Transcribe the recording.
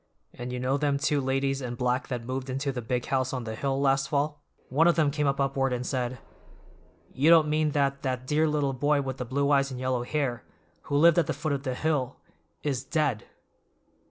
And you know them two ladies in black that moved into the big house on the hill last fall? One of them came up afterward and said, "'You don't mean that that dear little boy with the blue eyes and yellow hair, who lived at the foot of the hill, is dead!